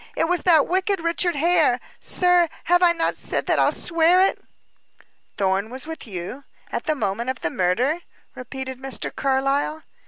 It was that wicked Richard Hare. Sir, have I not said that I'll swear it?" "Thorn was with you at the moment of the murder?" repeated Mr. Carlyle.